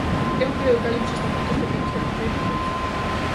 Eu creo que hai uns estatutos que temos que cumprir todos.